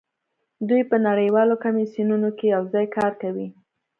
دوی په نړیوالو کمیسیونونو کې یوځای کار کوي